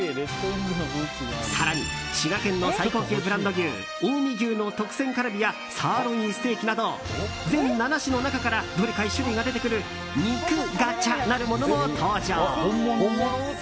更に、滋賀県の最高級ブランド牛近江牛の特選カルビやサーロインステーキなど全７種の中からどれか１種類が出てくる肉ガチャなるものも登場。